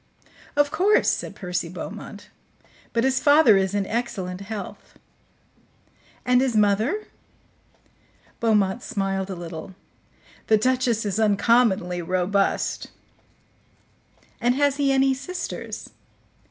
"Of course," said Percy Beaumont. "But his father is in excellent health." "And his mother?" Beaumont smiled a little. "The duchess is uncommonly robust." "And has he any sisters?"